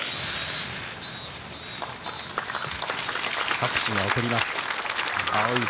拍手が起こります。